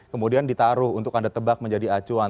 kemudian ditaruh untuk anda tebak menjadi acuan